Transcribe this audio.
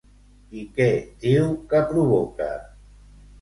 I què diu que provoca?